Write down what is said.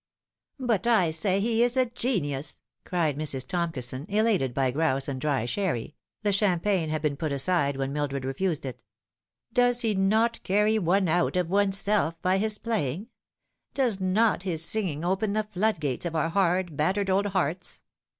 " But I say he is a genius," cried Mrs. Tomkison, elated by grouse and dry sherry (the champagne had been put aside when Mildred refused it). " Does he not carry one out of oneself by his playing ? Does not his singing open the floodgates of our hard, battered old hearts